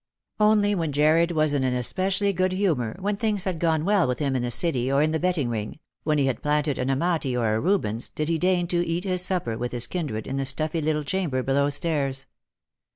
Only when Jarred was in an especially good humour, when things had gone well with him in the City or in the betting ring, when he had planted an Amati or a Rubens, did he deign to eat his supper with his kindred in the stuffy little chamber below stairs.